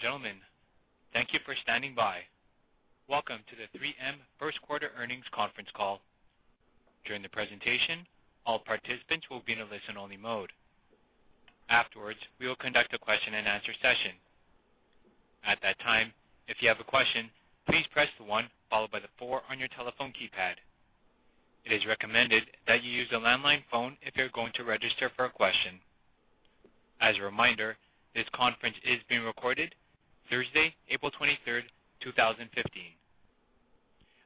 Gentlemen, thank you for standing by. Welcome to the 3M first quarter earnings conference call. During the presentation, all participants will be in a listen-only mode. Afterwards, we will conduct a question-and-answer session. At that time, if you have a question, please press the one followed by the four on your telephone keypad. It is recommended that you use a landline phone if you're going to register for a question. As a reminder, this conference is being recorded Thursday, April 23rd, 2015.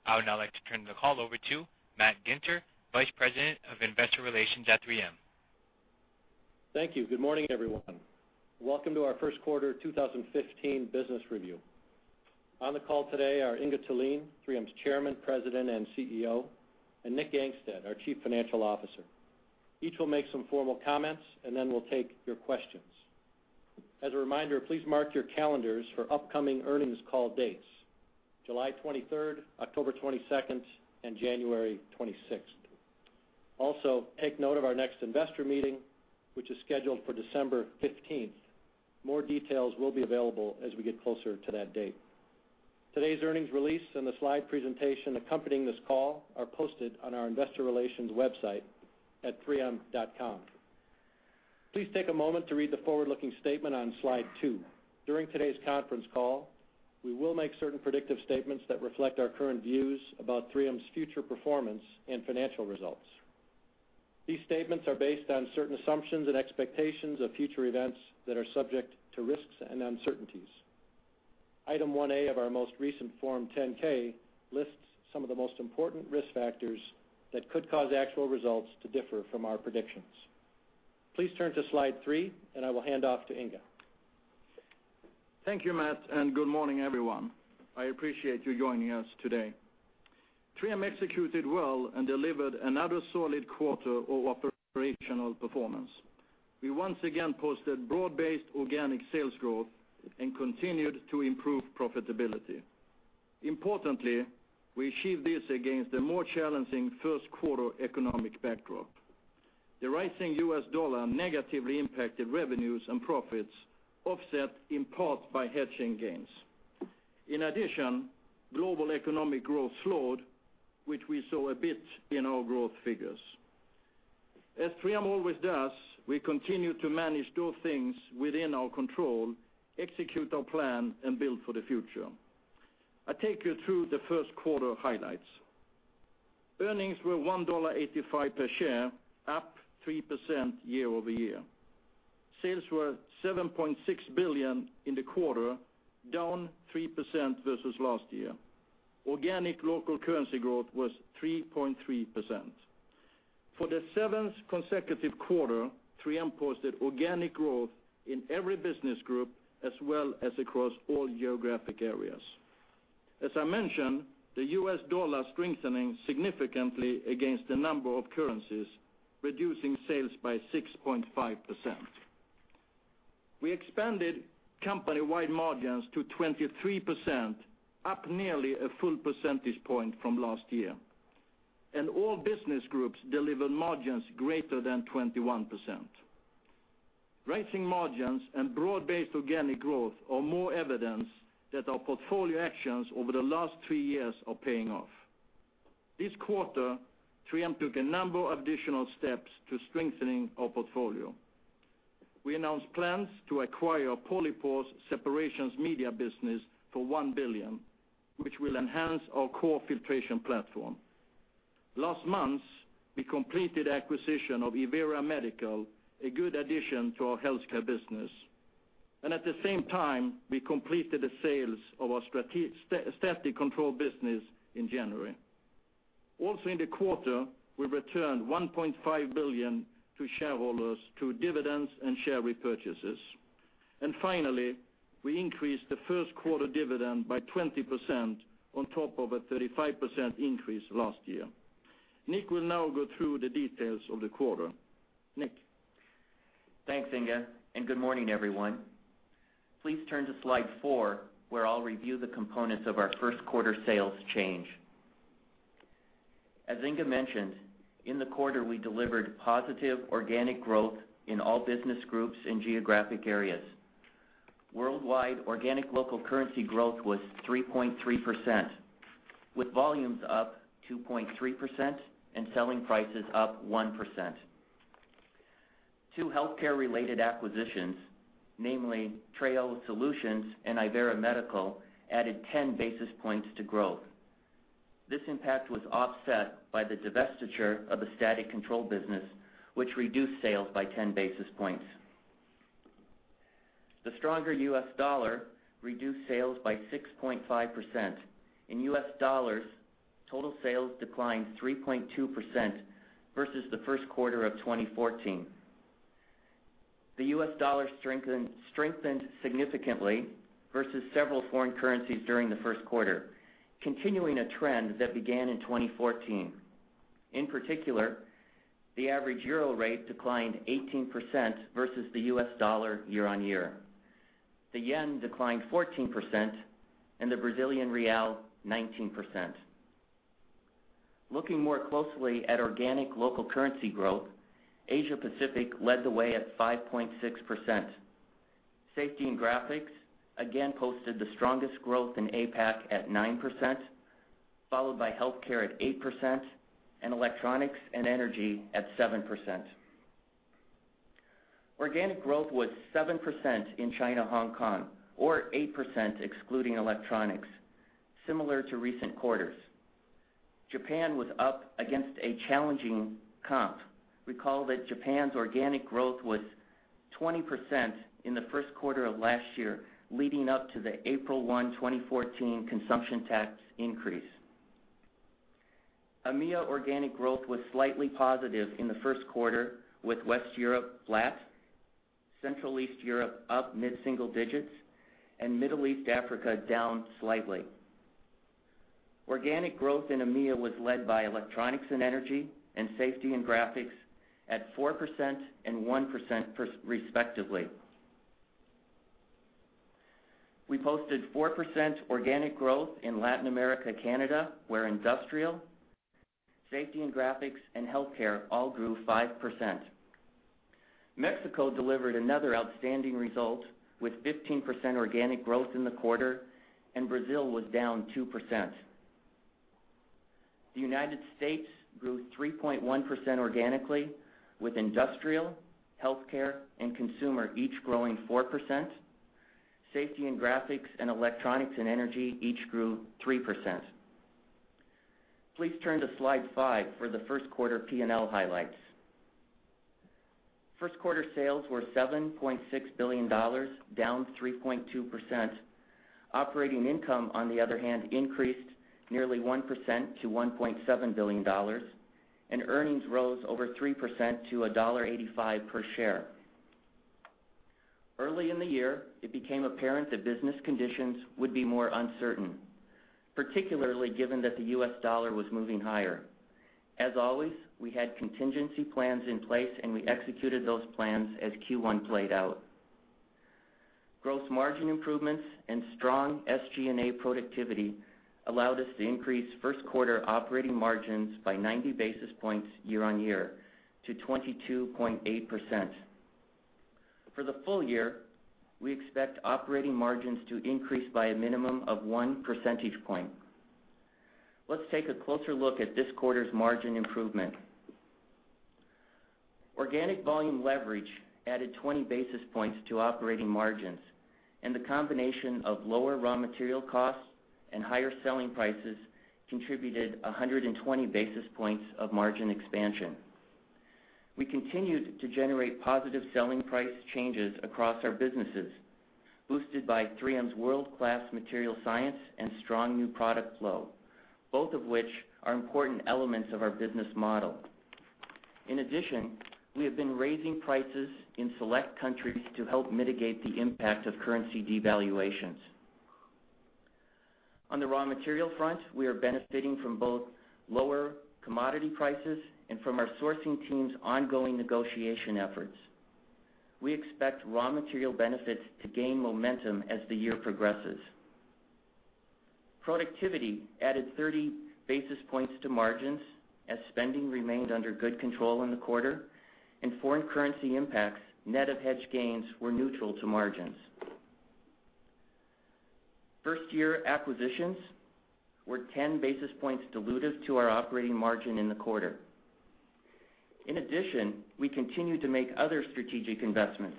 I would now like to turn the call over to Matt Ginter, Vice President of Investor Relations at 3M. Thank you. Good morning, everyone. Welcome to our first quarter 2015 business review. On the call today are Inge Thulin, 3M's Chairman, President, and CEO, and Nick Gangestad, our Chief Financial Officer. Each will make some formal comments, then we'll take your questions. As a reminder, please mark your calendars for upcoming earnings call dates: July 23rd, October 22nd, and January 26th. Also, take note of our next investor meeting, which is scheduled for December 15th. More details will be available as we get closer to that date. Today's earnings release and the slide presentation accompanying this call are posted on our investor relations website at 3m.com. Please take a moment to read the forward-looking statement on slide two. During today's conference call, we will make certain predictive statements that reflect our current views about 3M's future performance and financial results. These statements are based on certain assumptions and expectations of future events that are subject to risks and uncertainties. Item 1A of our most recent Form 10-K lists some of the most important risk factors that could cause actual results to differ from our predictions. Please turn to slide three, I will hand off to Inge. Thank you, Matt. Good morning, everyone. I appreciate you joining us today. 3M executed well and delivered another solid quarter of operational performance. We once again posted broad-based organic sales growth and continued to improve profitability. Importantly, we achieved this against a more challenging first quarter economic backdrop. The rising US dollar negatively impacted revenues and profits, offset in part by hedging gains. In addition, global economic growth slowed, which we saw a bit in our growth figures. As 3M always does, we continue to manage those things within our control, execute our plan, and build for the future. I'll take you through the first quarter highlights. Earnings were $1.85 per share, up 3% year-over-year. Sales were $7.6 billion in the quarter, down 3% versus last year. Organic local currency growth was 3.3%. For the seventh consecutive quarter, 3M posted organic growth in every business group as well as across all geographic areas. As I mentioned, the U.S. dollar strengthening significantly against a number of currencies, reducing sales by 6.5%. We expanded company-wide margins to 23%, up nearly a full percentage point from last year, and all business groups delivered margins greater than 21%. Rising margins and broad-based organic growth are more evidence that our portfolio actions over the last three years are paying off. This quarter, 3M took a number of additional steps to strengthening our portfolio. We announced plans to acquire Polypore's Separations Media business for $1 billion, which will enhance our core filtration platform. Last month, we completed the acquisition of Ivera Medical, a good addition to our healthcare business, and at the same time, we completed the sales of our static control business in January. Also in the quarter, we returned $1.5 billion to shareholders through dividends and share repurchases. Finally, we increased the first-quarter dividend by 20% on top of a 35% increase last year. Nick will now go through the details of the quarter. Nick? Thanks, Inge, and good morning, everyone. Please turn to slide four, where I'll review the components of our first quarter sales change. As Inge mentioned, in the quarter, we delivered positive organic growth in all business groups and geographic areas. Worldwide organic local currency growth was 3.3%, with volumes up 2.3% and selling prices up 1%. Two healthcare-related acquisitions, namely Treo Solutions and Ivera Medical, added 10 basis points to growth. This impact was offset by the divestiture of the static control business, which reduced sales by 10 basis points. The stronger U.S. dollar reduced sales by 6.5%. In U.S. dollars, total sales declined 3.2% versus the first quarter of 2014. The U.S. dollar strengthened significantly versus several foreign currencies during the first quarter, continuing a trend that began in 2014. In particular, the average EUR rate declined 18% versus the U.S. dollar year-on-year. The JPY declined 14%, and the BRL 19%. Looking more closely at organic local currency growth, Asia Pacific led the way at 5.6%. Safety and Graphics again posted the strongest growth in APAC at 9%, followed by Healthcare at 8% and Electronics and Energy at 7%. Organic growth was 7% in China, Hong Kong, or 8% excluding electronics, similar to recent quarters. Japan was up against a challenging comp. Recall that Japan's organic growth was 20% in the first quarter of last year, leading up to the April 1, 2014, consumption tax increase. EMEA organic growth was slightly positive in the first quarter, with West Europe flat, Central East Europe up mid-single digits, and Middle East Africa down slightly. Organic growth in EMEA was led by Electronics and Energy and Safety and Graphics at 4% and 1%, respectively. We posted 4% organic growth in Latin America, Canada, where Industrial, Safety and Graphics, and Healthcare all grew 5%. Mexico delivered another outstanding result with 15% organic growth in the quarter. Brazil was down 2%. The United States grew 3.1% organically, with Industrial, Healthcare, and Consumer each growing 4%. Safety and Graphics and Electronics and Energy each grew 3%. Please turn to Slide 5 for the first quarter P&L highlights. First quarter sales were $7.6 billion, down 3.2%. Operating income, on the other hand, increased nearly 1% to $1.7 billion. Earnings rose over 3% to $1.85 per share. Early in the year, it became apparent that business conditions would be more uncertain, particularly given that the U.S. dollar was moving higher. As always, we had contingency plans in place. We executed those plans as Q1 played out. Gross margin improvements and strong SG&A productivity allowed us to increase first quarter operating margins by 90 basis points year-on-year to 22.8%. For the full year, we expect operating margins to increase by a minimum of one percentage point. Let's take a closer look at this quarter's margin improvement. Organic volume leverage added 20 basis points to operating margins. The combination of lower raw material costs and higher selling prices contributed 120 basis points of margin expansion. We continued to generate positive selling price changes across our businesses, boosted by 3M's world-class material science and strong new product flow, both of which are important elements of our business model. In addition, we have been raising prices in select countries to help mitigate the impact of currency devaluations. On the raw material front, we are benefiting from both lower commodity prices and from our sourcing team's ongoing negotiation efforts. We expect raw material benefits to gain momentum as the year progresses. Productivity added 30 basis points to margins as spending remained under good control in the quarter. Foreign currency impacts, net of hedge gains, were neutral to margins. First year acquisitions were 10 basis points dilutive to our operating margin in the quarter. In addition, we continued to make other strategic investments,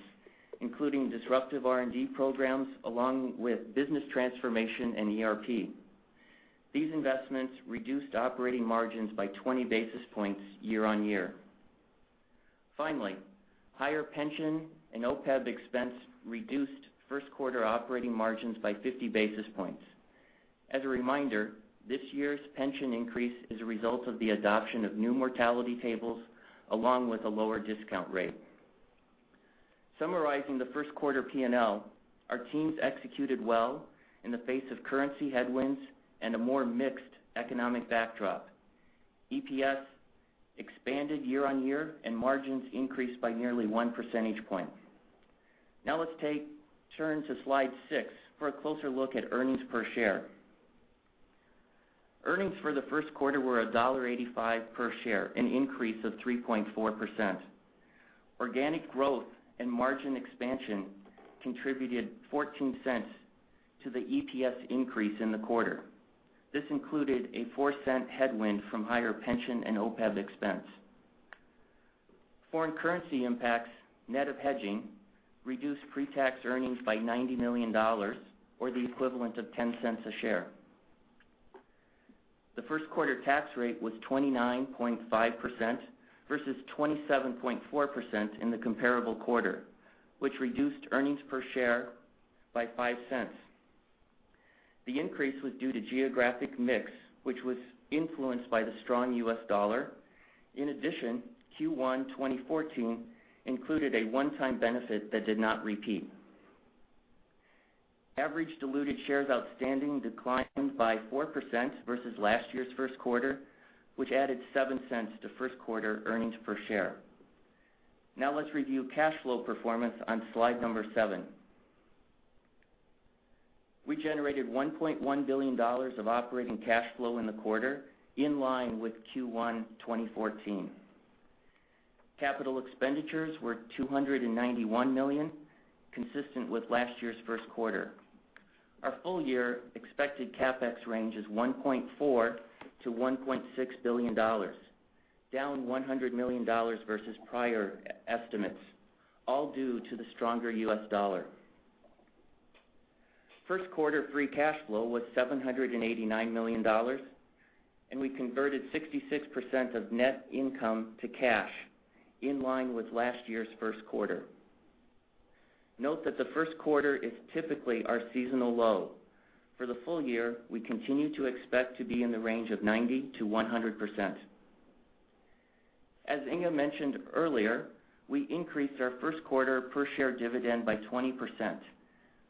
including disruptive R&D programs along with business transformation and ERP. These investments reduced operating margins by 20 basis points year-on-year. Finally, higher pension and OPEB expense reduced first quarter operating margins by 50 basis points. As a reminder, this year's pension increase is a result of the adoption of new mortality tables, along with a lower discount rate. Summarizing the first quarter P&L, our teams executed well in the face of currency headwinds and a more mixed economic backdrop. EPS expanded year-on-year. Margins increased by nearly one percentage point. Now let's turn to slide six for a closer look at earnings per share. Earnings for the first quarter were $1.85 per share, an increase of 3.4%. Organic growth and margin expansion contributed $0.14 to the EPS increase in the quarter. This included a $0.04 headwind from higher pension and OPEB expense. Foreign currency impacts, net of hedging, reduced pre-tax earnings by $90 million, or the equivalent of $0.10 a share. The first quarter tax rate was 29.5% versus 27.4% in the comparable quarter, which reduced earnings per share by $0.05. The increase was due to geographic mix, which was influenced by the strong U.S. dollar. In addition, Q1 2014 included a one-time benefit that did not repeat. Average diluted shares outstanding declined by 4% versus last year's first quarter, which added $0.07 to first quarter earnings per share. Now let's review cash flow performance on slide number seven. We generated $1.1 billion of operating cash flow in the quarter, in line with Q1 2014. Capital expenditures were $291 million, consistent with last year's first quarter. Our full year expected CapEx range is $1.4 billion-$1.6 billion, down $100 million versus prior estimates, all due to the stronger U.S. dollar. First quarter free cash flow was $789 million, and we converted 66% of net income to cash, in line with last year's first quarter. Note that the first quarter is typically our seasonal low. For the full year, we continue to expect to be in the range of 90%-100%. As Inge mentioned earlier, we increased our first quarter per share dividend by 20%.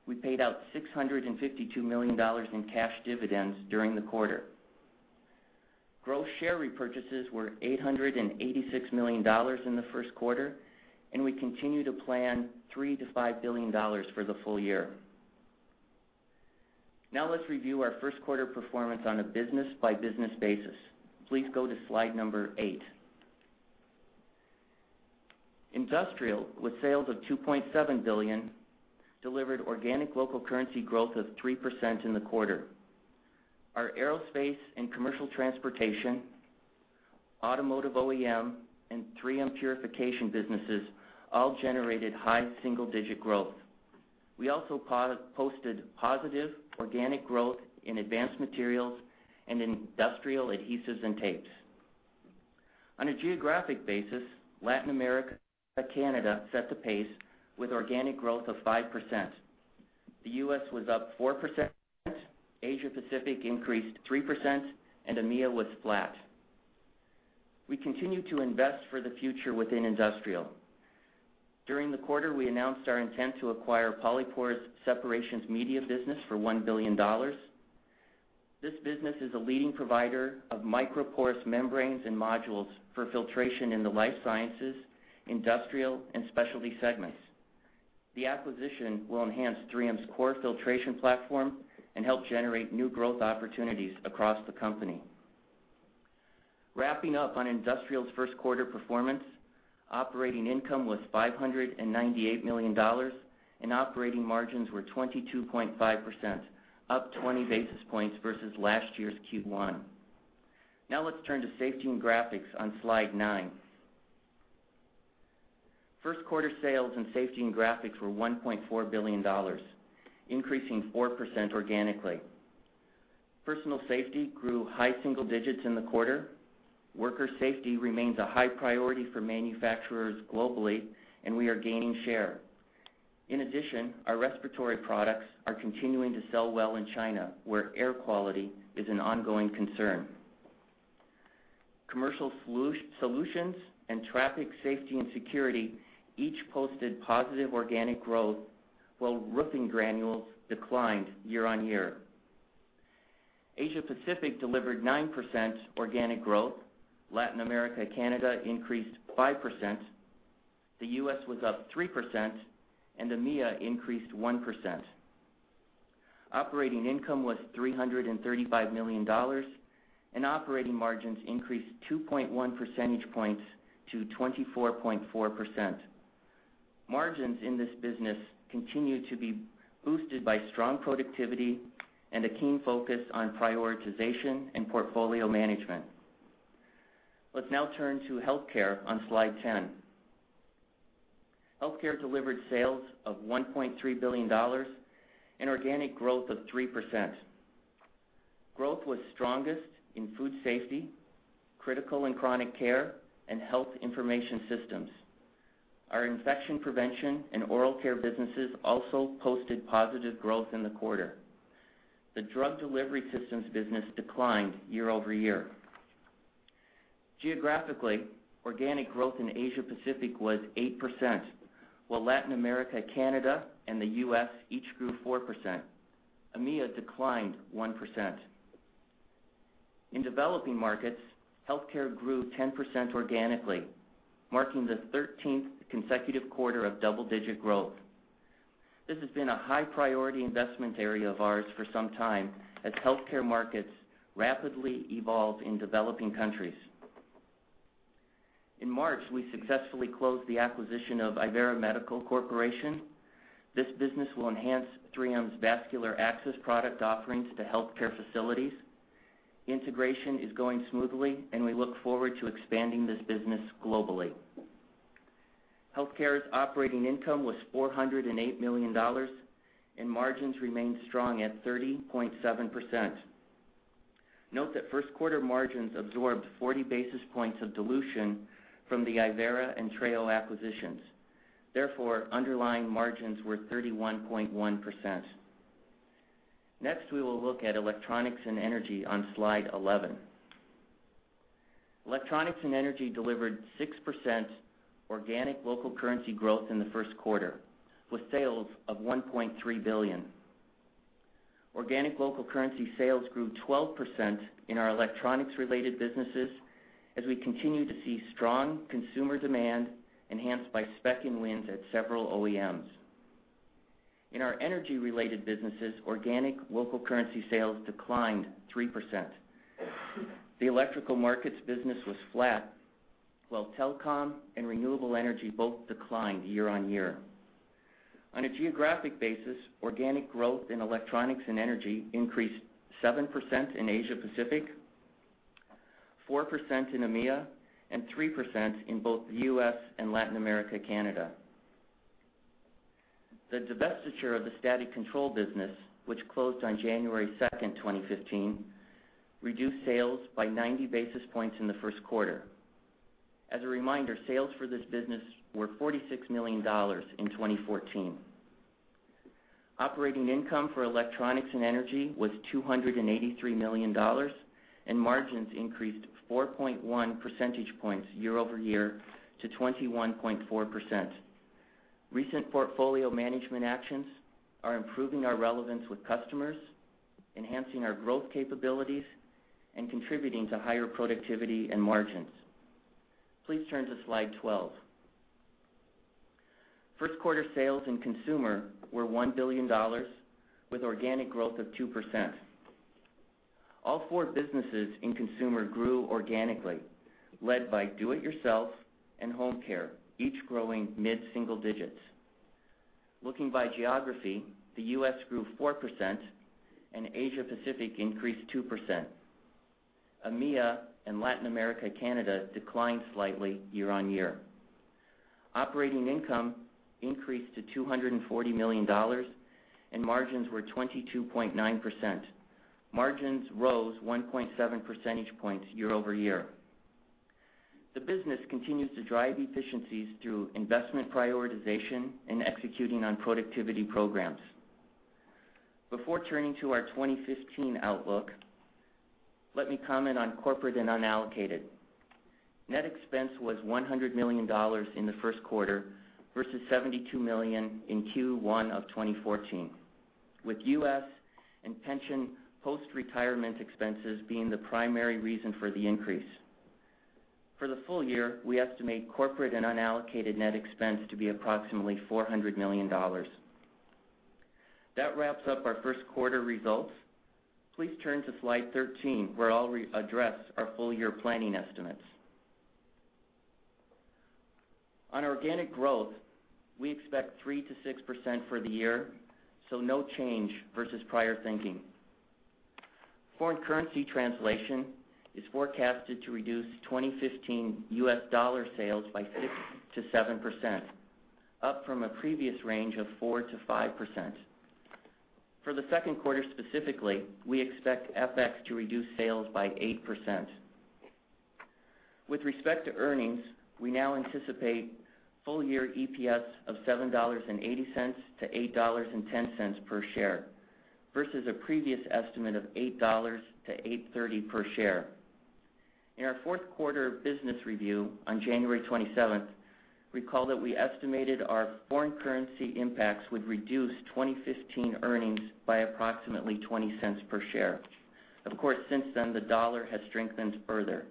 We paid out $652 million in cash dividends during the quarter. Gross share repurchases were $886 million in the first quarter, and we continue to plan $3 billion-$5 billion for the full year. Now let's review our first quarter performance on a business-by-business basis. Please go to slide number eight. Industrial, with sales of $2.7 billion, delivered organic local currency growth of 3% in the quarter. Our aerospace and commercial transportation, automotive OEM, and 3M Purification businesses all generated high single-digit growth. We also posted positive organic growth in advanced materials and industrial adhesives and tapes. On a geographic basis, Latin America and Canada set the pace with organic growth of 5%. The U.S. was up 4%, Asia Pacific increased 3%, and EMEA was flat. We continue to invest for the future within Industrial. During the quarter, we announced our intent to acquire Polypore's Separations Media business for $1 billion. This business is a leading provider of microporous membranes and modules for filtration in the life sciences, industrial, and specialty segments. The acquisition will enhance 3M's core filtration platform and help generate new growth opportunities across the company. Wrapping up on Industrial's first quarter performance, operating income was $598 million, and operating margins were 22.5%, up 20 basis points versus last year's Q1. Now let's turn to Safety and Graphics on slide nine. First quarter sales in Safety and Graphics were $1.4 billion, increasing 4% organically. Personal safety grew high single digits in the quarter. Worker safety remains a high priority for manufacturers globally, and we are gaining share. In addition, our respiratory products are continuing to sell well in China, where air quality is an ongoing concern. Commercial solutions and traffic safety and security each posted positive organic growth, while roofing granules declined year-on-year. Asia Pacific delivered 9% organic growth. Latin America, Canada increased 5%. The U.S. was up 3%, EMEA increased 1%. Operating income was $335 million, operating margins increased 2.1 percentage points to 24.4%. Margins in this business continue to be boosted by strong productivity and a keen focus on prioritization and portfolio management. Let's now turn to Healthcare on slide 10. Healthcare delivered sales of $1.3 billion and organic growth of 3%. Growth was strongest in food safety, critical and chronic care, and health information systems. Our infection prevention and oral care businesses also posted positive growth in the quarter. The drug delivery systems business declined year-over-year. Geographically, organic growth in Asia Pacific was 8%, while Latin America, Canada, and the U.S. each grew 4%. EMEA declined 1%. In developing markets, healthcare grew 10% organically, marking the 13th consecutive quarter of double-digit growth. This has been a high-priority investment area of ours for some time, as healthcare markets rapidly evolve in developing countries. In March, we successfully closed the acquisition of Ivera Medical Corp. This business will enhance 3M's vascular access product offerings to healthcare facilities. Integration is going smoothly, we look forward to expanding this business globally. Healthcare's operating income was $408 million, margins remained strong at 30.7%. Note that first quarter margins absorbed 40 basis points of dilution from the Ivera and Treo acquisitions. Underlying margins were 31.1%. Next, we will look at Electronics and Energy on slide 11. Electronics and Energy delivered 6% organic local currency growth in the first quarter, with sales of $1.3 billion. Organic local currency sales grew 12% in our electronics-related businesses we continue to see strong consumer demand enhanced by spec-in wins at several OEMs. In our energy-related businesses, organic local currency sales declined 3%. The electrical markets business was flat, while telecom and renewable energy both declined year-on-year. On a geographic basis, organic growth in electronics and energy increased 7% in Asia Pacific, 4% in EMEA, 3% in both the U.S. and Latin America Canada. The divestiture of the static control business, which closed on January 2nd, 2015, reduced sales by 90 basis points in the first quarter. A reminder, sales for this business were $46 million in 2014. Operating income for electronics and energy was $283 million margins increased 4.1 percentage points year-over-year to 21.4%. Recent portfolio management actions are improving our relevance with customers, enhancing our growth capabilities, and contributing to higher productivity and margins. Please turn to slide 12. First quarter sales in consumer were $1 billion with organic growth of 2%. All four businesses in consumer grew organically, led by do-it-yourself and home care, each growing mid-single digits. Looking by geography, the U.S. grew 4% Asia Pacific increased 2%. EMEA and Latin America Canada declined slightly year-on-year. Operating income increased to $240 million margins were 22.9%. Margins rose 1.7 percentage points year-over-year. The business continues to drive efficiencies through investment prioritization and executing on productivity programs. Before turning to our 2015 outlook, let me comment on corporate and unallocated. Net expense was $100 million in the first quarter versus $72 million in Q1 of 2014, with U.S. and pension post-retirement expenses being the primary reason for the increase. For the full year, we estimate corporate and unallocated net expense to be approximately $400 million. That wraps up our first quarter results. Please turn to slide 13 where I'll address our full-year planning estimates. On organic growth, we expect 3%-6% for the year, no change versus prior thinking. Foreign currency translation is forecasted to reduce 2015 U.S. dollar sales by 6%-7%, up from a previous range of 4%-5%. For the second quarter specifically, we expect FX to reduce sales by 8%. With respect to earnings, we now anticipate full-year EPS of $7.80-$8.10 per share versus a previous estimate of $8-$8.30 per share. In our fourth quarter business review on January 27th, recall that we estimated our foreign currency impacts would reduce 2015 earnings by approximately $0.20 per share. Of course, since then, the dollar has strengthened further.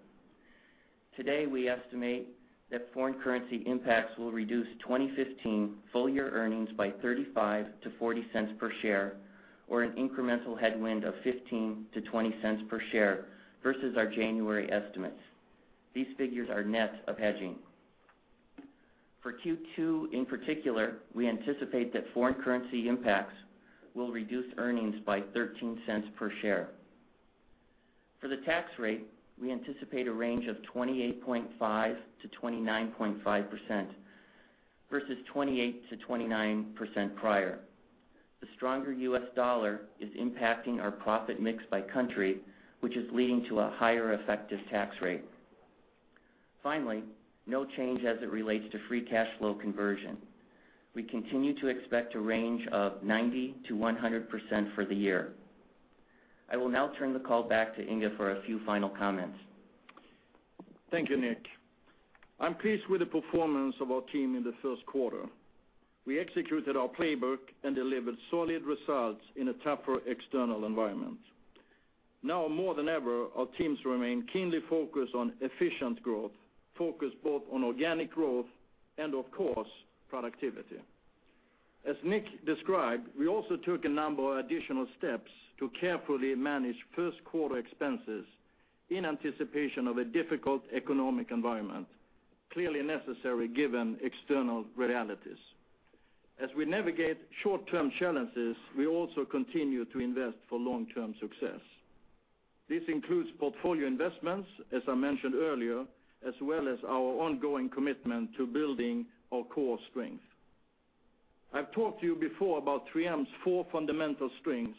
Today, we estimate that foreign currency impacts will reduce 2015 full-year earnings by $0.35-$0.40 per share or an incremental headwind of $0.15-$0.20 per share versus our January estimates. These figures are net of hedging. For Q2 in particular, we anticipate that foreign currency impacts will reduce earnings by $0.13 per share. For the tax rate, we anticipate a range of 28.5%-29.5% versus 28%-29% prior. The stronger U.S. dollar is impacting our profit mix by country, which is leading to a higher effective tax rate. No change as it relates to free cash flow conversion. We continue to expect a range of 90%-100% for the year. I will now turn the call back to Inge for a few final comments. Thank you, Nick. I'm pleased with the performance of our team in the first quarter. We executed our playbook and delivered solid results in a tougher external environment. Now more than ever, our teams remain keenly focused on efficient growth, focused both on organic growth and of course, productivity. As Nick described, we also took a number of additional steps to carefully manage first quarter expenses in anticipation of a difficult economic environment, clearly necessary given external realities. As we navigate short-term challenges, we also continue to invest for long-term success. This includes portfolio investments, as I mentioned earlier, as well as our ongoing commitment to building our core strength. I've talked to you before about 3M's four fundamental strengths,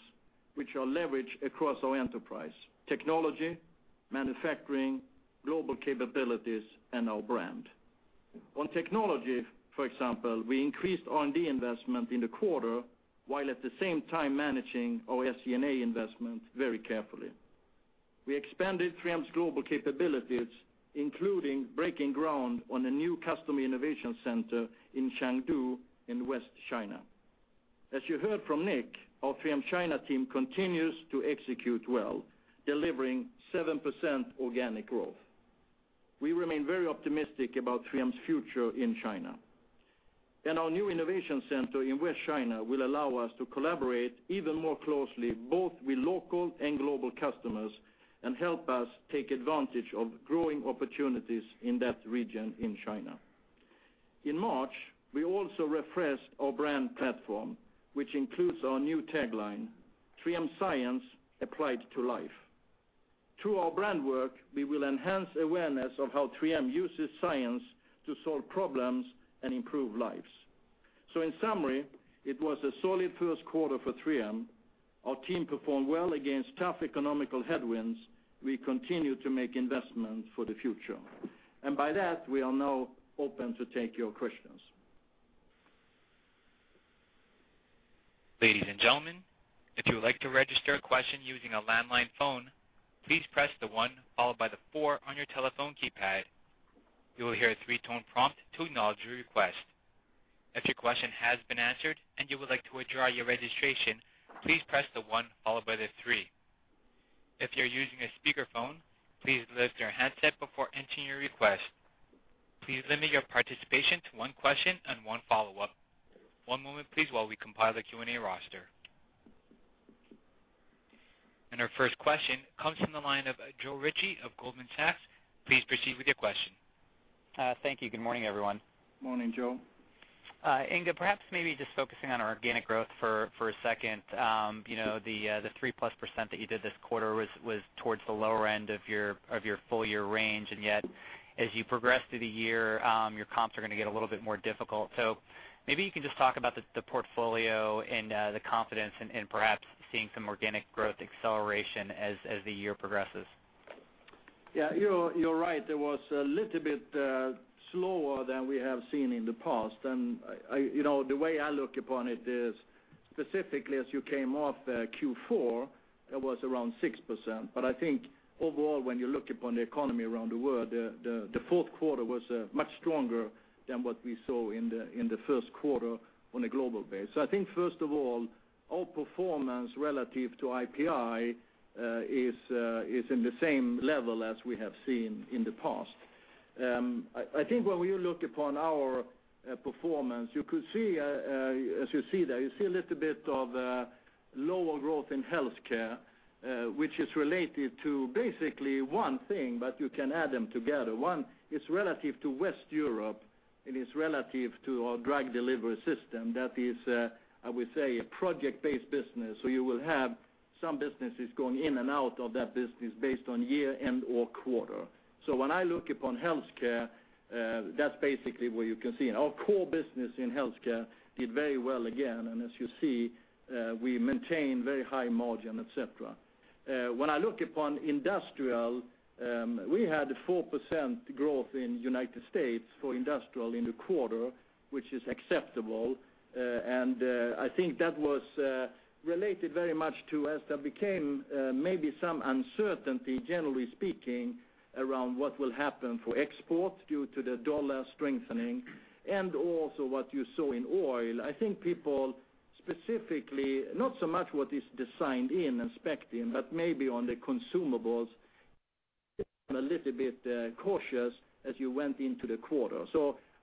which are leveraged across our enterprise: technology, manufacturing, global capabilities, and our brand. On technology, for example, we increased R&D investment in the quarter, while at the same time managing our SG&A investment very carefully. We expanded 3M's global capabilities, including breaking ground on a new customer innovation center in Chengdu in West China. As you heard from Nick, our 3M China team continues to execute well, delivering 7% organic growth. We remain very optimistic about 3M's future in China. Our new innovation center in West China will allow us to collaborate even more closely, both with local and global customers, and help us take advantage of growing opportunities in that region in China. In March, we also refreshed our brand platform, which includes our new tagline, "3M Science. Applied to Life." Through our brand work, we will enhance awareness of how 3M uses science to solve problems and improve lives. In summary, it was a solid first quarter for 3M. Our team performed well against tough economic headwinds. We continue to make investments for the future. By that, we are now open to take your questions. Ladies and gentlemen, if you would like to register a question using a landline phone, please press the one followed by the four on your telephone keypad. You will hear a three-tone prompt to acknowledge your request. If your question has been answered and you would like to withdraw your registration, please press the one followed by the three. If you're using a speakerphone, please lift your handset before entering your request. Please limit your participation to one question and one follow-up. One moment, please, while we compile the Q&A roster. Our first question comes from the line of Joe Ritchie of Goldman Sachs. Please proceed with your question. Thank you. Good morning, everyone. Morning, Joe. Inge, perhaps maybe just focusing on our organic growth for a second. The 3-plus% that you did this quarter was towards the lower end of your full-year range, yet as you progress through the year, your comps are going to get a little bit more difficult. Maybe you can just talk about the portfolio and the confidence and perhaps seeing some organic growth acceleration as the year progresses. You're right. It was a little bit slower than we have seen in the past. The way I look upon it is specifically as you came off Q4, it was around 6%. I think overall, when you look upon the economy around the world, the fourth quarter was much stronger than what we saw in the first quarter on a global base. I think, first of all, our performance relative to IPI is in the same level as we have seen in the past. I think when you look upon our performance, as you see there, you see a little bit of lower growth in healthcare, which is related to basically one thing, but you can add them together. One, it's relative to West Europe, and it's relative to our drug delivery system. That is, I would say, a project-based business. You will have some businesses going in and out of that business based on year end or quarter. When I look upon healthcare, that's basically what you can see. Our core business in healthcare did very well again. As you see, we maintain very high margin, et cetera. When I look upon industrial, we had 4% growth in the U.S. for industrial in the quarter, which is acceptable. I think that was related very much to, as there became maybe some uncertainty, generally speaking, around what will happen for exports due to the dollar strengthening and also what you saw in oil. I think people specifically, not so much what is designed in and spec'd in, but maybe on the consumables, got a little bit cautious as you went into the quarter.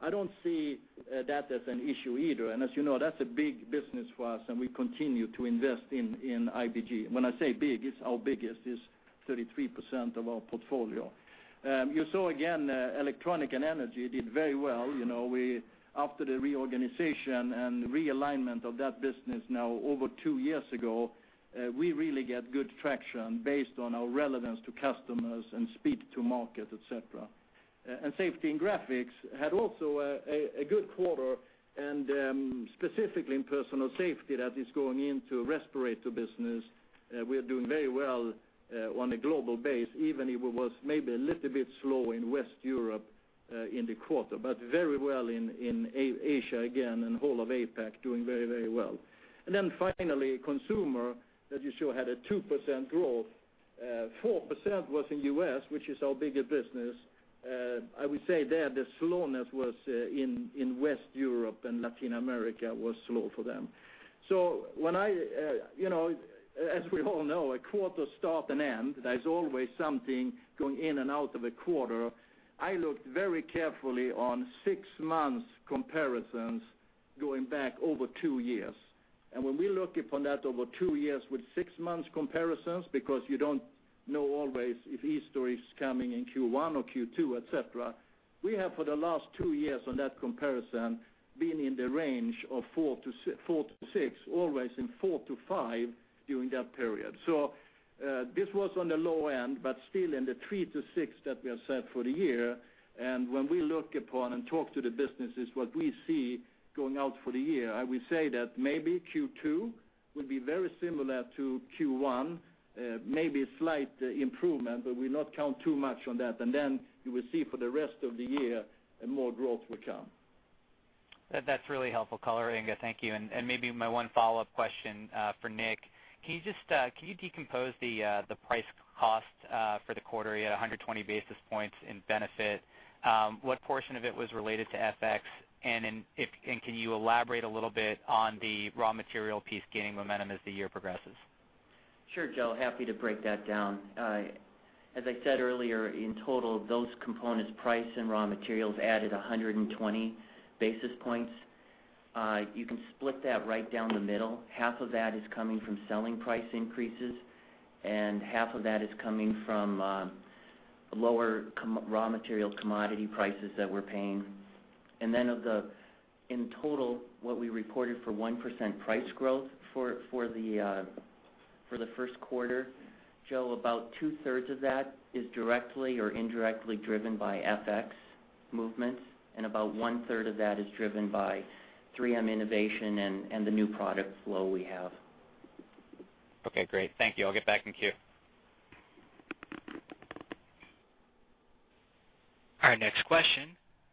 I don't see that as an issue either. As you know, that's a big business for us, and we continue to invest in IBG. When I say big, it's our biggest, it's 33% of our portfolio. You saw again, electronic and energy did very well. After the reorganization and realignment of that business now over two years ago, we really get good traction based on our relevance to customers and speed to market, et cetera. Safety and graphics had also a good quarter, and specifically in personal safety that is going into respiratory business, we are doing very well on a global base, even if it was maybe a little bit slow in West Europe in the quarter, but very well in Asia, again, and whole of APAC doing very well. Finally, consumer, as you saw, had a 2% growth. 4% was in the U.S., which is our biggest business. I would say there, the slowness was in West Europe and Latin America was slow for them. As we all know, a quarter start and end, there's always something going in and out of a quarter. I looked very carefully on six-month comparisons going back over two years. When we look upon that over two years with six-month comparisons, because you don't know always if Easter is coming in Q1 or Q2, et cetera, we have for the last two years on that comparison been in the range of four to six, always in four to five during that period. This was on the low end, but still in the three to six that we have said for the year. When we look upon and talk to the businesses, what we see going out for the year, I would say that maybe Q2 will be very similar to Q1, maybe a slight improvement, but we'll not count too much on that. You will see for the rest of the year, more growth will come. That's really helpful color, Inge. Thank you. Maybe my one follow-up question for Nick. Can you decompose the price cost for the quarter? You had 120 basis points in benefit. What portion of it was related to FX? Can you elaborate a little bit on the raw material piece gaining momentum as the year progresses? Sure, Joe. Happy to break that down. As I said earlier, in total, those components, price and raw materials, added 120 basis points. You can split that right down the middle. Half of that is coming from selling price increases, and half of that is coming from lower raw material commodity prices that we're paying. In total, what we reported for 1% price growth for the first quarter, Joe, about two-thirds of that is directly or indirectly driven by FX movements, and about one-third of that is driven by 3M innovation and the new product flow we have. Okay, great. Thank you. I'll get back in queue. Our next question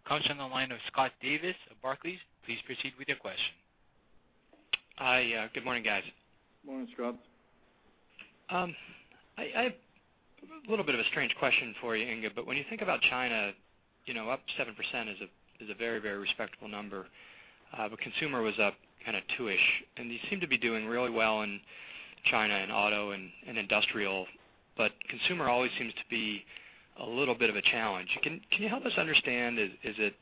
comes from the line of Scott Davis of Barclays. Please proceed with your question. Hi. Good morning, guys. Morning, Scott. I have a little bit of a strange question for you, Inge. When you think about China, up 7% is a very respectable number. Consumer was up kind of two-ish, and you seem to be doing really well in China in auto and industrial, but consumer always seems to be a little bit of a challenge. Can you help us understand, is it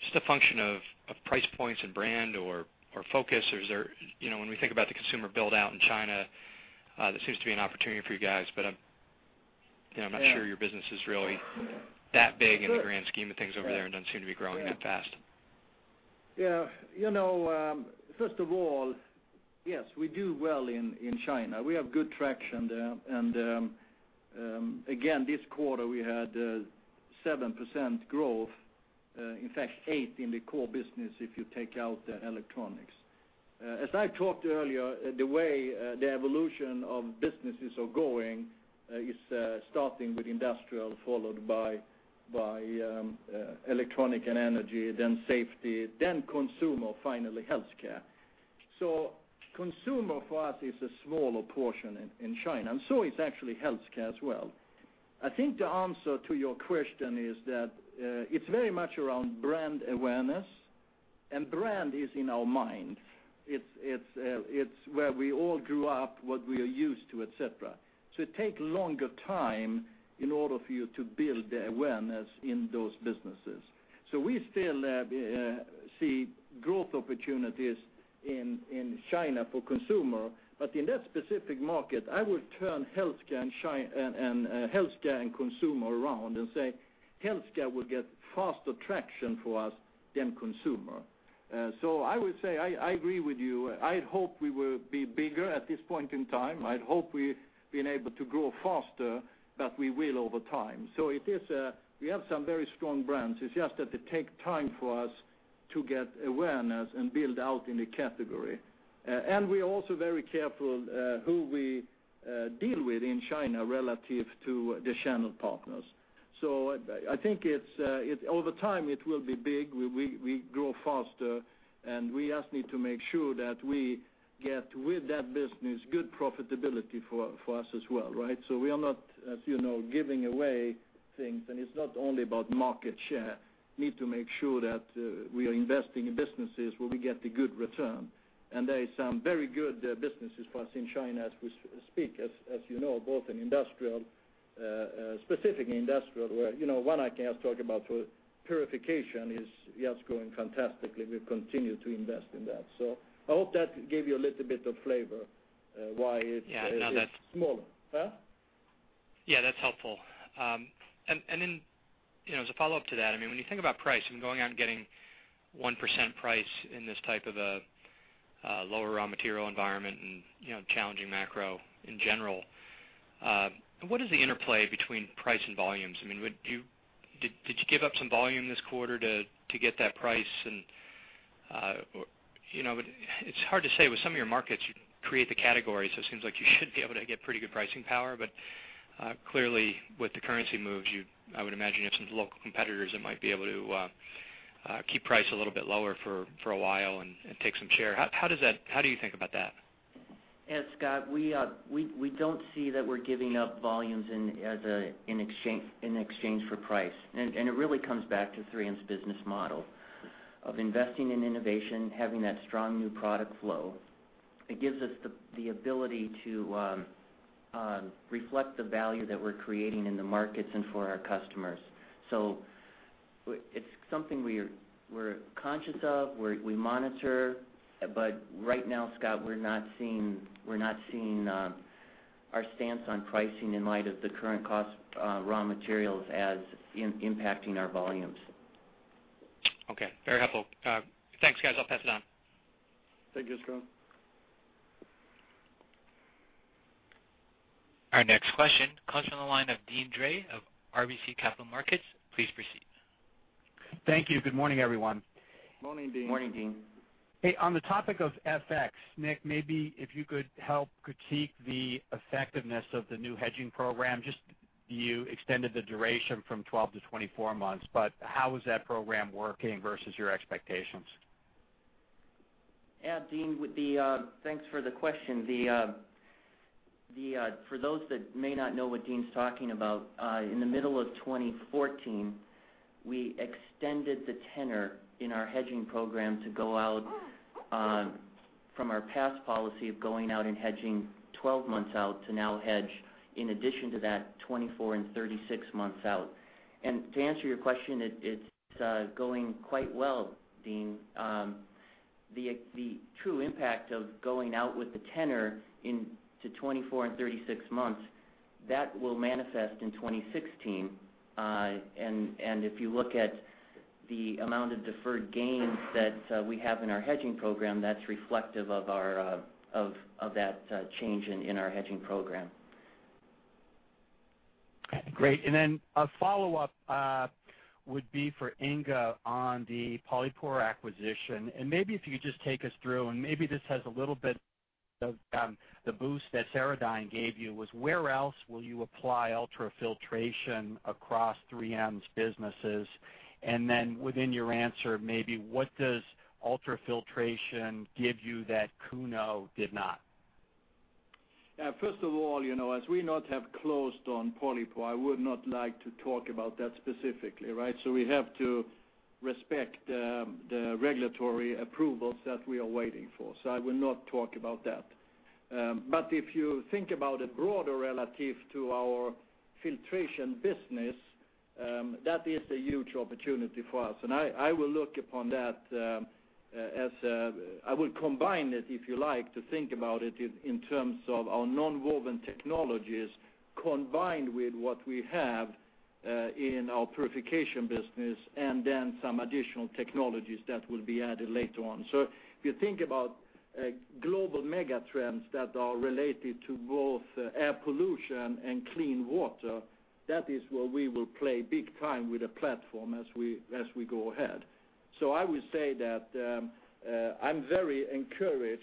just a function of price points and brand or focus? When we think about the consumer build-out in China, there seems to be an opportunity for you guys, but I am not sure your business is really that big in the grand scheme of things over there and does not seem to be growing that fast. Yeah. First of all, yes, we do well in China. We have good traction there, and again, this quarter, we had 7% growth. In fact, 8 in the core business if you take out electronics. As I talked earlier, the way the evolution of businesses are going is starting with industrial, followed by electronic and energy, then safety, then consumer, finally healthcare. Consumer for us is a smaller portion in China, and so is actually healthcare as well. I think the answer to your question is that it is very much around brand awareness, and brand is in our mind. It is where we all grew up, what we are used to, et cetera. It takes a longer time in order for you to build the awareness in those businesses. We still see growth opportunities in China for consumer, but in that specific market, I would turn healthcare and consumer around and say healthcare will get faster traction for us than consumer. I would say I agree with you. I hope we will be bigger at this point in time. I hope we have been able to grow faster, but we will over time. We have some very strong brands. It is just that they take time for us to get awareness and build out in the category. And we are also very careful who we deal with in China relative to the channel partners. I think over time it will be big. We grow faster, and we just need to make sure that we get, with that business, good profitability for us as well, right? We are not, as you know, giving away things, and it is not only about market share. Need to make sure that we are investing in businesses where we get the good return, and there is some very good businesses for us in China as we speak, as you know, both in industrial, specifically industrial, where one I can talk about for Purification is just going fantastically. We have continued to invest in that. I hope that gave you a little bit of flavor why it is smaller. Yeah, that's helpful. Then, as a follow-up to that, when you think about price and going out and getting 1% price in this type of a lower raw material environment and challenging macro in general, what is the interplay between price and volumes? Did you give up some volume this quarter to get that price? It's hard to say. With some of your markets, you create the category, so it seems like you should be able to get pretty good pricing power. Clearly, with the currency moves, I would imagine you have some local competitors that might be able to keep price a little bit lower for a while and take some share. How do you think about that? Yeah, Scott, we don't see that we're giving up volumes in exchange for price. It really comes back to 3M's business model of Invest in Innovation, having that strong new product flow. It gives us the ability to reflect the value that we're creating in the markets and for our customers. It's something we're conscious of, we monitor. Right now, Scott, we're not seeing our stance on pricing in light of the current cost raw materials as impacting our volumes. Okay. Very helpful. Thanks, guys. I'll pass it on. Thank you, Scott. Our next question comes from the line of Deane Dray of RBC Capital Markets. Please proceed. Thank you. Good morning, everyone. Morning, Deane. Morning, Deane. Hey, on the topic of FX, Nick, maybe if you could help critique the effectiveness of the new hedging program. You extended the duration from 12 to 24 months. How is that program working versus your expectations? Yeah, Deane, thanks for the question. For those that may not know what Deane's talking about, in the middle of 2014, we extended the tenor in our hedging program to go out from our past policy of going out and hedging 12 months out to now hedge in addition to that, 24 and 36 months out. To answer your question, it's going quite well, Deane. The true impact of going out with the tenor into 24 and 36 months, that will manifest in 2016. If you look at the amount of deferred gains that we have in our hedging program, that's reflective of that change in our hedging program. Great. A follow-up would be for Inge on the Polypore acquisition, maybe if you could just take us through, maybe this has a little bit of the boost that Ceradyne gave you, was where else will you apply ultrafiltration across 3M's businesses? Within your answer, maybe what does ultrafiltration give you that Cuno did not? Yeah, first of all, as we not have closed on Polypore, I would not like to talk about that specifically, right? We have to respect the regulatory approvals that we are waiting for. I will not talk about that. If you think about it broader relative to our filtration business, that is a huge opportunity for us. I will look upon that as I would combine it, if you like, to think about it in terms of our nonwoven technologies combined with what we have in our Purification Business and then some additional technologies that will be added later on. If you think about global mega trends that are related to both air pollution and clean water, that is where we will play big time with the platform as we go ahead. I would say that I'm very encouraged,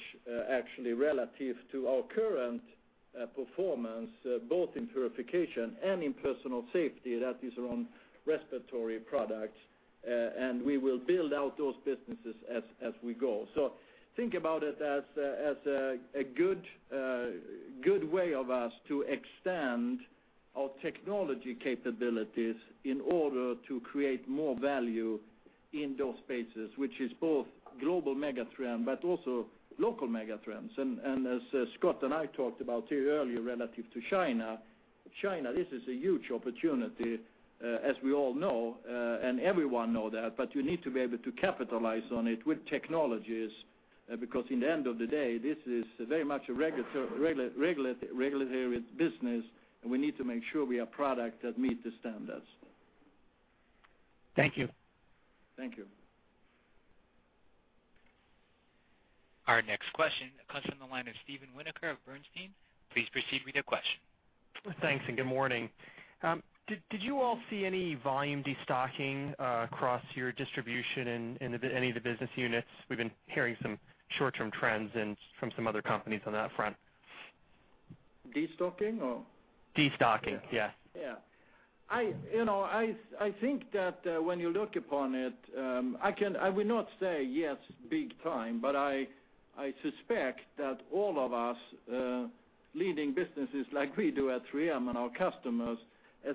actually, relative to our current performance, both in purification and in personal safety. That is around respiratory products. We will build out those businesses as we go. Think about it as a good way of us to extend our technology capabilities in order to create more value in those spaces, which is both global mega trend, but also local mega trends. As Scott and I talked about here earlier, relative to China, this is a huge opportunity, as we all know, and everyone know that, but you need to be able to capitalize on it with technologies, because in the end of the day, this is very much a regulatory business, and we need to make sure we have product that meet the standards. Thank you. Thank you. Our next question comes from the line of Steven Winoker of Bernstein. Please proceed with your question. Thanks. Good morning. Did you all see any volume destocking across your distribution in any of the business units? We've been hearing some short-term trends from some other companies on that front. Destocking or? Destocking. Yeah. Yeah. I think that when you look upon it, I would not say yes, big time, but I suspect that all of us leading businesses like we do at 3M and our customers,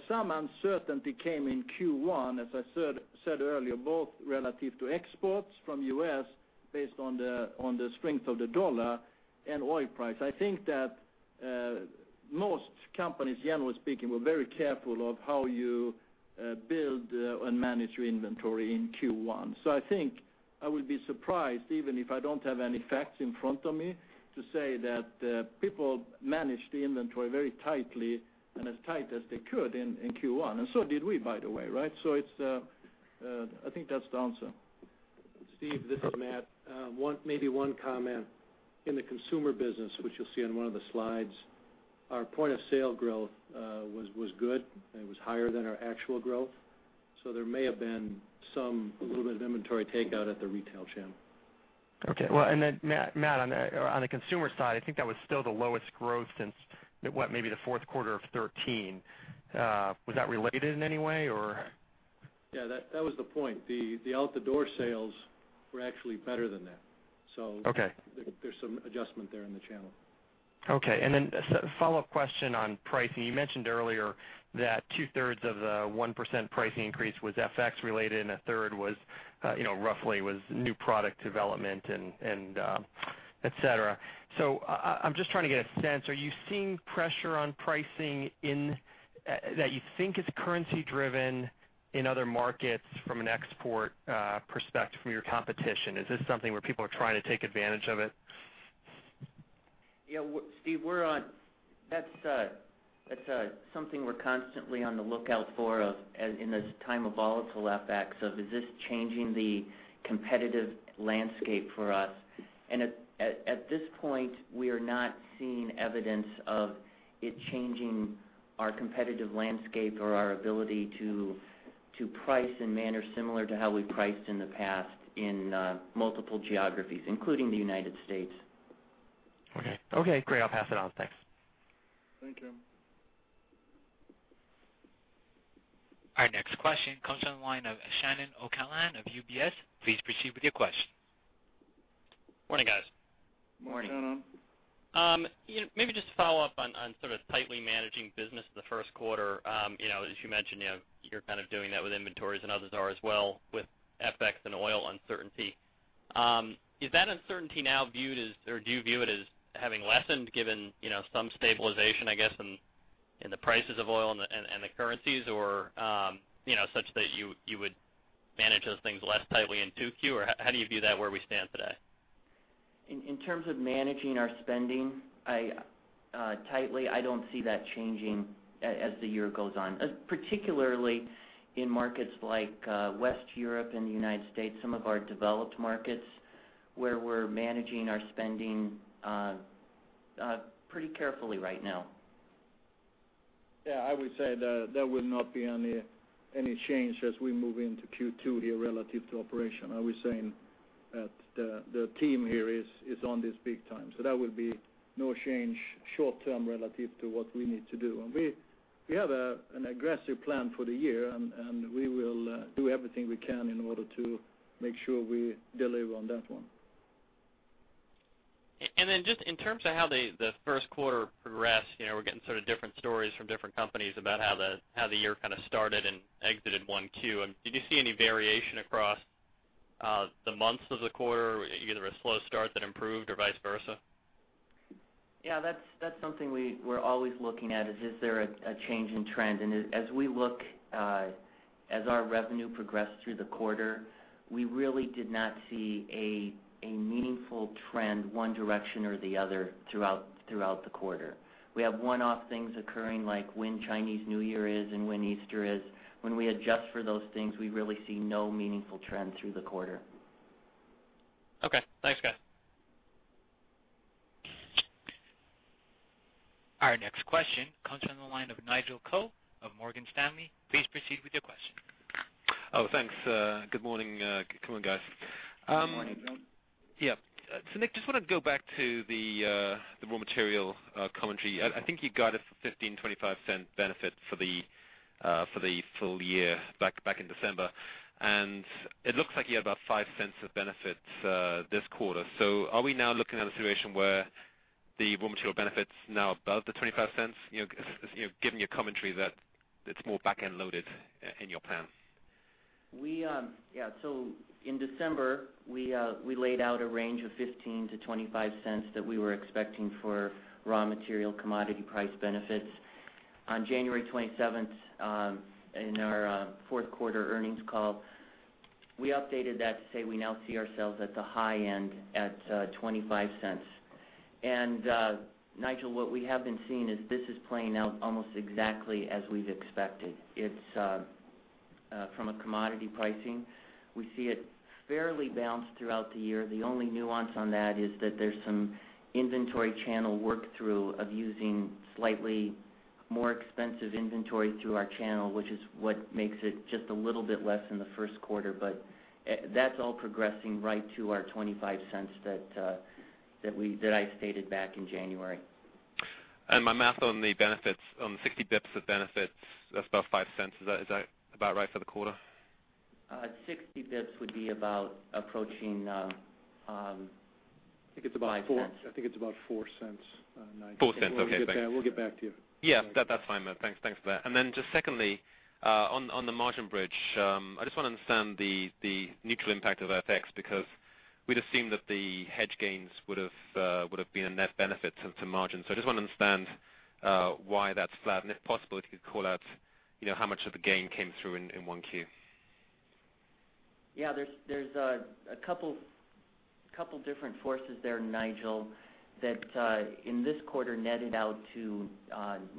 some uncertainty came in Q1, as I said earlier, both relative to exports from U.S. based on the strength of the dollar and oil price. I think that most companies, generally speaking, were very careful of how you build and manage your inventory in Q1. I think I would be surprised, even if I don't have any facts in front of me to say that people managed the inventory very tightly and as tight as they could in Q1, and so did we, by the way, right? I think that's the answer. Steve, this is Matt. Maybe one comment. In the consumer business, which you'll see on one of the slides, our point of sale growth was good, and it was higher than our actual growth. There may have been a little bit of inventory takeout at the retail channel. Matt, on the consumer side, I think that was still the lowest growth since, what, maybe the fourth quarter of 2013. Was that related in any way, or? Yeah, that was the point. The out-the-door sales were actually better than that. Okay. There's some adjustment there in the channel. A follow-up question on pricing. You mentioned earlier that two-thirds of the 1% pricing increase was FX related, and a third roughly was new product development, et cetera. I'm just trying to get a sense. Are you seeing pressure on pricing that you think is currency driven in other markets from an export perspective from your competition? Is this something where people are trying to take advantage of it? Yeah, Steve, that's something we're constantly on the lookout for in this time of volatile FX, of is this changing the competitive landscape for us? At this point, we are not seeing evidence of it changing our competitive landscape or our ability to price in manner similar to how we priced in the past in multiple geographies, including the United States. Okay. Great. I'll pass it on. Thanks. Thank you. Our next question comes from the line of Shannon O'Callaghan of UBS. Please proceed with your question. Morning, guys. Morning. Morning. Maybe just to follow up on tightly managing business in the first quarter. As you mentioned, you're kind of doing that with inventories and others are as well with FX and oil uncertainty. Is that uncertainty now viewed as, or do you view it as having lessened, given some stabilization, I guess, in the prices of oil and the currencies, such that you would manage those things less tightly in 2Q, or how do you view that where we stand today? In terms of managing our spending tightly, I don't see that changing as the year goes on. Particularly in markets like West Europe and the United States, some of our developed markets, where we're managing our spending pretty carefully right now. Yeah, I would say there will not be any change as we move into Q2 here relative to operation. I was saying that the team here is on this big time. That will be no change short term relative to what we need to do. We have an aggressive plan for the year, and we will do everything we can in order to make sure we deliver on that one. Just in terms of how the first quarter progressed, we're getting sort of different stories from different companies about how the year kind of started and exited 1Q. Did you see any variation across the months of the quarter, either a slow start that improved or vice versa? Yeah, that's something we're always looking at is there a change in trend? As our revenue progressed through the quarter, we really did not see a meaningful trend one direction or the other throughout the quarter. We have one-off things occurring, like when Chinese New Year is and when Easter is. When we adjust for those things, we really see no meaningful trend through the quarter. Okay. Thanks, guys. Our next question comes on the line of Nigel Coe of Morgan Stanley. Please proceed with your question. Oh, thanks. Good morning. Good morning, guys. Good morning, Nigel. Yeah. Nick, just want to go back to the raw material commentary. I think you got a $0.15, $0.25 benefit for the full year back in December. It looks like you had about $0.05 of benefits this quarter. Are we now looking at a situation where the raw material benefit's now above the $0.25, given your commentary that it's more back-end loaded in your plan? Yeah. In December, we laid out a range of $0.15-$0.25 that we were expecting for raw material commodity price benefits. On January 27th, in our fourth quarter earnings call, we updated that to say we now see ourselves at the high end at $0.25. Nigel, what we have been seeing is this is playing out almost exactly as we've expected. From a commodity pricing, we see it fairly balanced throughout the year. The only nuance on that is that there's some inventory channel work through of using slightly more expensive inventory through our channel, which is what makes it just a little bit less in the first quarter. That's all progressing right to our $0.25 that I stated back in January. My math on the benefits, on 60 basis points of benefits, that's about $0.05. Is that about right for the quarter? 60 basis points would be about. I think it's about $0.04, Nigel. $0.04. Okay, thanks. We'll get back to you. Yeah, that's fine, Matt. Thanks for that. Then just secondly, on the margin bridge, I just want to understand the neutral impact of FX, because we'd assumed that the hedge gains would've been a net benefit to margin. I just want to understand why that's flat, and if possible, if you could call out how much of the gain came through in 1Q. Yeah. There's a two different forces there, Nigel, that in this quarter netted out to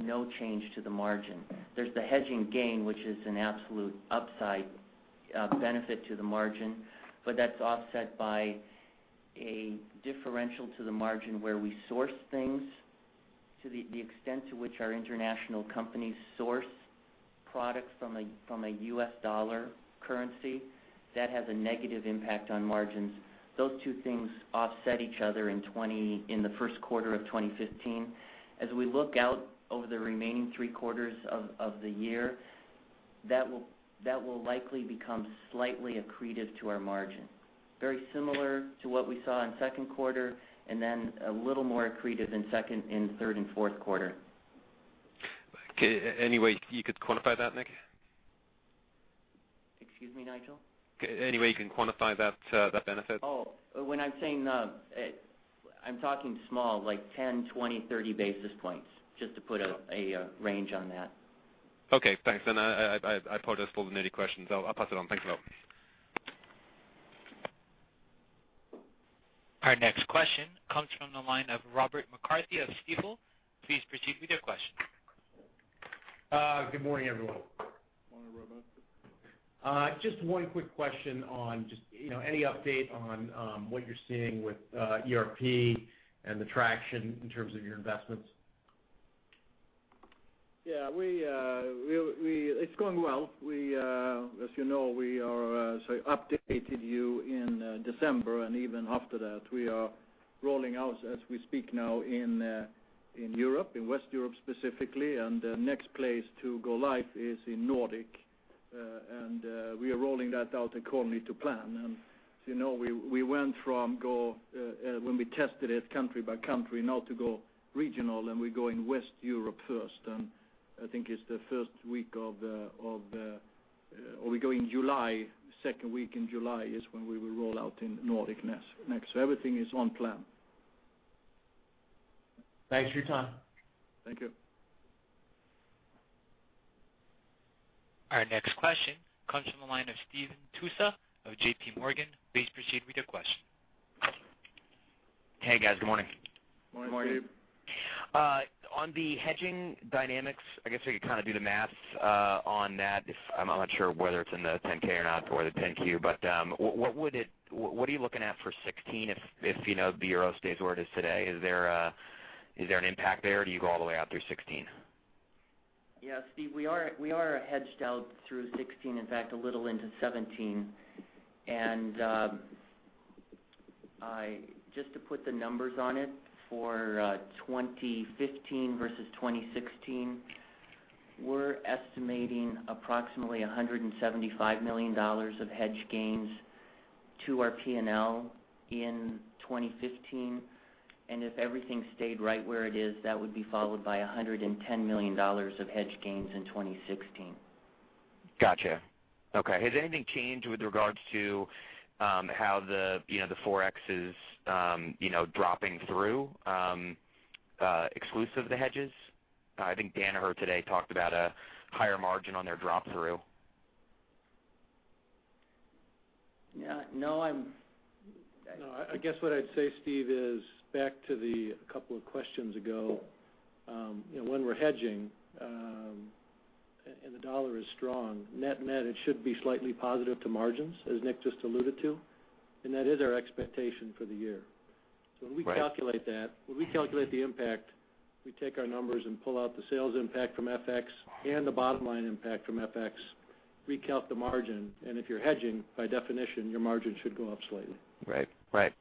no change to the margin. There's the hedging gain, which is an absolute upside benefit to the margin, but that's offset by a differential to the margin where we source things. To the extent to which our international companies source products from a US dollar currency, that has a negative impact on margins. Those two things offset each other in the first quarter of 2015. As we look out over the remaining three quarters of the year, that will likely become slightly accretive to our margin. Very similar to what we saw in second quarter, then a little more accretive in third and fourth quarter. Okay. Any way you could quantify that, Nick? Excuse me, Nigel? Any way you can quantify that benefit? Oh, when I'm saying I'm talking small, like 10, 20, 30 basis points, just to put a range on that. Okay, thanks. I apologize for all the needy questions. I'll pass it on. Thanks a lot. Our next question comes from the line of Robert McCarthy of Stifel. Please proceed with your question. Good morning, everyone. Morning, Robert. Just one quick question on any update on what you're seeing with ERP and the traction in terms of your investments. Yeah. It's going well. As you know, we updated you in December. Even after that, we are rolling out as we speak now in Europe, in West Europe specifically, and the next place to go live is in Nordic. We are rolling that out according to plan. We went from when we tested it country by country now to go regional, and we go in West Europe first, and I think it's the second week in July is when we will roll out in Nordic next. Everything is on plan. Thanks for your time. Thank you. Our next question comes from the line of Stephen Tusa of JPMorgan. Please proceed with your question. Hey, guys. Good morning. Morning, Steve. Morning. On the hedging dynamics, I guess we could do the math on that. I'm not sure whether it's in the 10-K or not or the 10-Q, but what are you looking at for 2016 if the euro stays where it is today? Is there an impact there or do you go all the way out through 2016? Yeah, Steve, we are hedged out through 2016, in fact, a little into 2017. Just to put the numbers on it for 2015 versus 2016, we're estimating approximately $175 million of hedge gains to our P&L in 2015. If everything stayed right where it is, that would be followed by $110 million of hedge gains in 2016. Got you. Okay. Has anything changed with regards to how the Forex is dropping through exclusive of the hedges? I think Danaher today talked about a higher margin on their drop-through. No. No, I guess what I'd say, Steve, is back to the couple of questions ago. When we're hedging, and the dollar is strong, net-net it should be slightly positive to margins, as Nick just alluded to, and that is our expectation for the year. Right. When we calculate that, when we calculate the impact, we take our numbers and pull out the sales impact from FX and the bottom-line impact from FX, recount the margin, and if you're hedging, by definition, your margin should go up slightly. Right.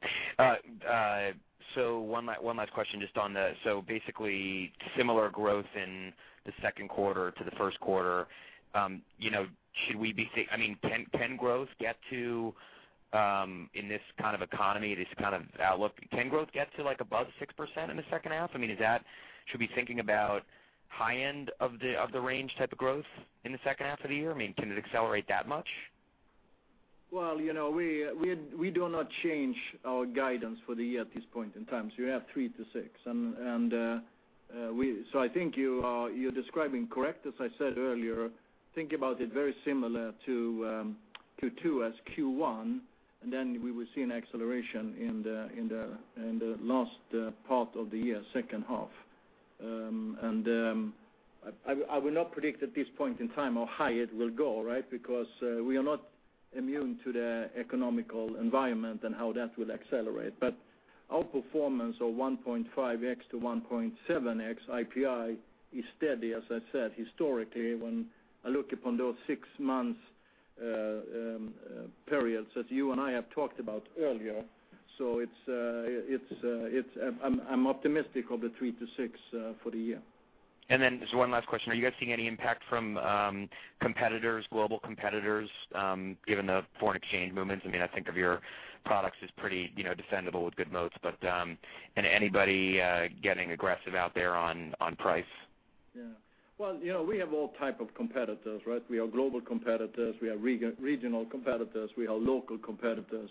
One last question just on the-- basically similar growth in the second quarter to the first quarter. Can growth get to, in this kind of economy, this kind of outlook, can growth get to above 6% in the second half? Should we be thinking about high end of the range type of growth in the second half of the year? Can it accelerate that much? Well, we do not change our guidance for the year at this point in time. You have 3%-6%. I think you're describing correct. As I said earlier, think about it very similar to Q2 as Q1, and then we will see an acceleration in the last part of the year, second half. I will not predict at this point in time how high it will go, right? Because we are not immune to the economic environment and how that will accelerate. Our performance of 1.5x to 1.7x IPI is steady, as I said, historically, when I look upon those six months periods, as you and I have talked about earlier. I'm optimistic of the 3%-6% for the year. Just one last question. Are you guys seeing any impact from competitors, global competitors, given the foreign exchange movements? I think of your products as pretty defendable with good moats, but anybody getting aggressive out there on price? We have all type of competitors, right? We have global competitors, we have regional competitors, we have local competitors.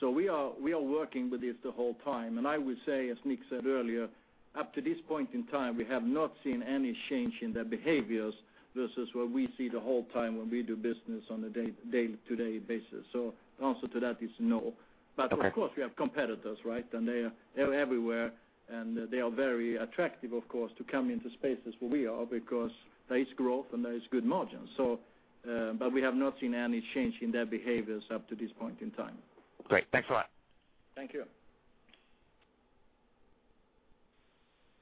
We are working with this the whole time. I would say, as Nick said earlier, up to this point in time, we have not seen any change in their behaviors versus what we see the whole time when we do business on a day-to-day basis. The answer to that is no. Okay. Of course we have competitors, right? They are everywhere, and they are very attractive, of course, to come into spaces where we are because there is growth and there is good margins. We have not seen any change in their behaviors up to this point in time. Great. Thanks a lot. Thank you.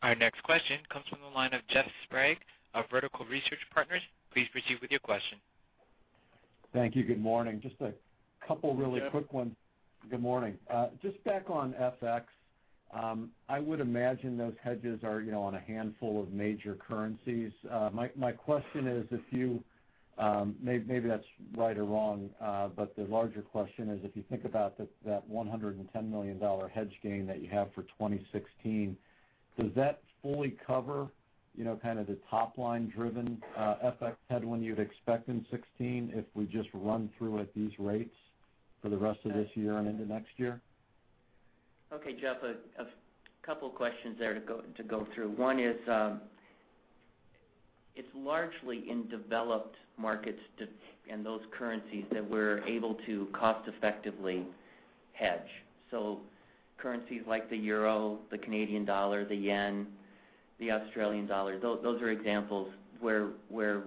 Our next question comes from the line of Jeff Sprague of Vertical Research Partners. Please proceed with your question. Thank you. Good morning. Just a couple really quick ones. Good morning, Jeff. Good morning. Just back on FX. I would imagine those hedges are on a handful of major currencies. My question is if you, maybe that's right or wrong, but the larger question is if you think about that $110 million hedge gain that you have for 2016, does that fully cover kind of the top-line driven FX headwind you'd expect in 2016 if we just run through at these rates for the rest of this year and into next year? Okay, Jeff, a couple questions there to go through. One is, it's largely in developed markets and those currencies that we're able to cost effectively hedge. Currencies like the euro, the Canadian dollar, the yen, the Australian dollar, those are examples where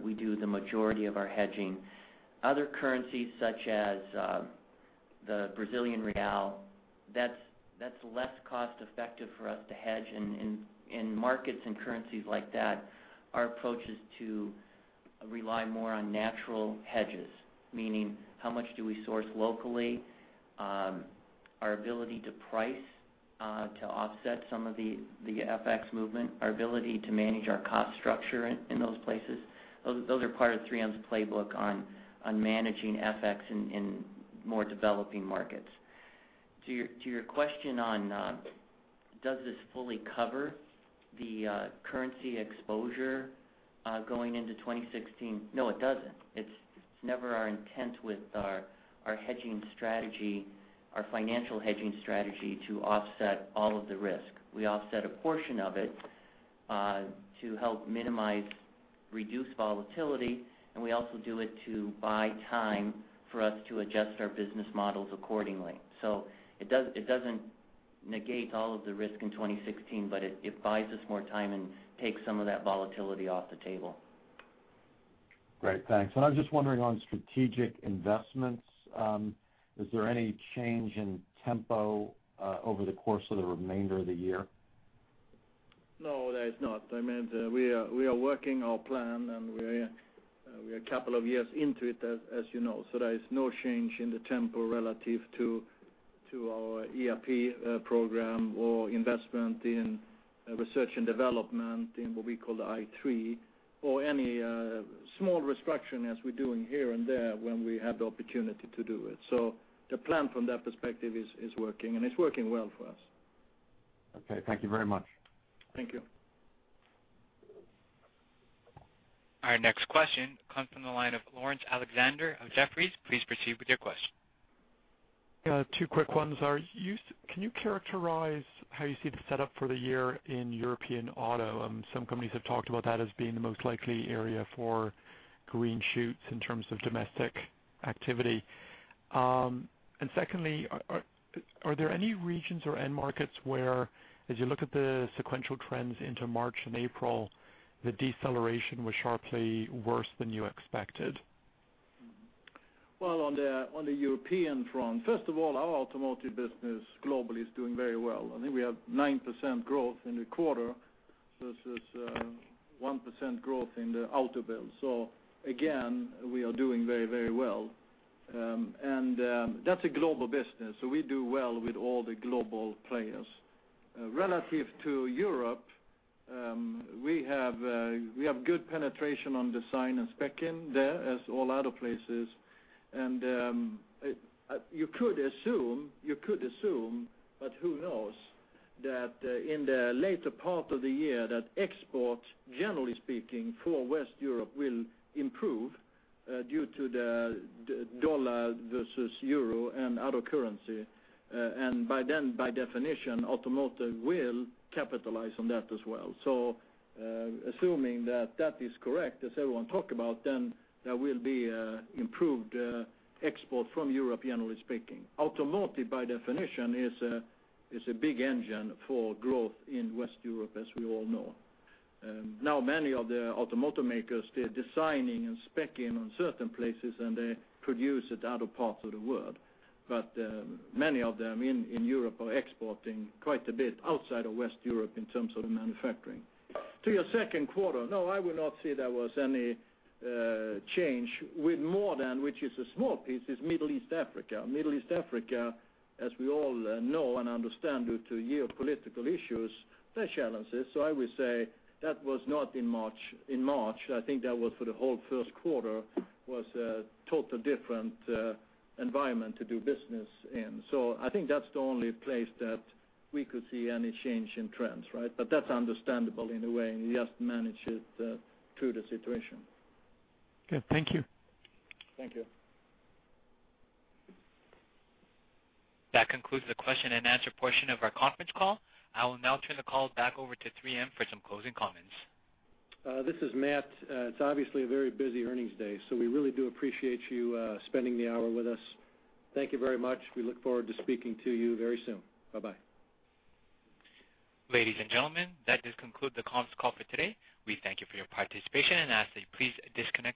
we do the majority of our hedging. Other currencies such as The Brazilian real, that's less cost effective for us to hedge. In markets and currencies like that, our approach is to rely more on natural hedges, meaning how much do we source locally, our ability to price to offset some of the FX movement, our ability to manage our cost structure in those places. Those are part of 3M's playbook on managing FX in more developing markets. To your question on does this fully cover the currency exposure going into 2016? No, it doesn't. It's never our intent with our hedging strategy, our financial hedging strategy, to offset all of the risk. We offset a portion of it to help minimize, reduce volatility, and we also do it to buy time for us to adjust our business models accordingly. It doesn't negate all of the risk in 2016, but it buys us more time and takes some of that volatility off the table. Great, thanks. I'm just wondering on strategic investments, is there any change in tempo over the course of the remainder of the year? No, there is not. We are working our plan, and we are 2 years into it, as you know. There is no change in the tempo relative to our ERP program or investment in research and development in what we call the i3 or any small restructuring as we're doing here and there when we have the opportunity to do it. The plan from that perspective is working, and it's working well for us. Okay, thank you very much. Thank you. Our next question comes from the line of Lawrence Alexander of Jefferies. Please proceed with your question. Yeah, two quick ones are, can you characterize how you see the setup for the year in European auto? Some companies have talked about that as being the most likely area for green shoots in terms of domestic activity. Secondly, are there any regions or end markets where, as you look at the sequential trends into March and April, the deceleration was sharply worse than you expected? Well, on the European front, first of all, our automotive business globally is doing very well. I think we have 9% growth in the quarter versus 1% growth in the auto build. Again, we are doing very well. That's a global business, so we do well with all the global players. Relative to Europe, we have good penetration on design and spec in there as all other places. You could assume, but who knows, that in the later part of the year that export, generally speaking, for West Europe will improve due to the dollar versus EUR and other currency. By then, by definition, automotive will capitalize on that as well. Assuming that is correct as everyone talk about, then there will be improved export from Europe, generally speaking. Automotive, by definition, is a big engine for growth in West Europe as we all know. Many of the automotive makers, they're designing and spec-ing on certain places, and they produce at other parts of the world. Many of them in Europe are exporting quite a bit outside of West Europe in terms of the manufacturing. To your second question, no, I would not say there was any change with more than, which is a small piece, is Middle East Africa. Middle East Africa, as we all know and understand due to geopolitical issues, there are challenges. I would say that was not in March. I think that was for the whole first quarter was a total different environment to do business in. I think that's the only place that we could see any change in trends, right? That's understandable in a way, and you have to manage it through the situation. Okay, thank you. Thank you. That concludes the question and answer portion of our conference call. I will now turn the call back over to 3M for some closing comments. This is Matt. It's obviously a very busy earnings day, we really do appreciate you spending the hour with us. Thank you very much. We look forward to speaking to you very soon. Bye-bye. Ladies and gentlemen, that does conclude the conference call for today. We thank you for your participation and ask that you please disconnect.